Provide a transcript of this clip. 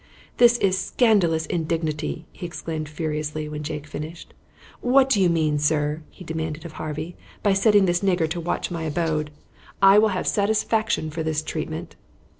"This is a scandalous indignity," he exclaimed furiously when Jake finished. "What do you mean, sir," he demanded of Harvey, "by setting this nigger to watch my abode? I will have satisfaction for this treatment."